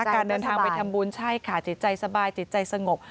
การเดินทางไปทำบุญใช่ค่ะจิตใจสบายจิตใจสงบ